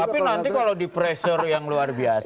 tapi nanti kalau di pressure yang luar biasa